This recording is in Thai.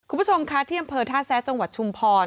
คุณผู้ชมค่ะที่อำเภอท่าแซะจังหวัดชุมพร